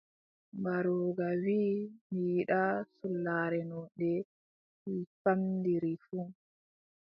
Mbarooga wii: mi yiɗaa sollaare no nde famɗiri fuu!».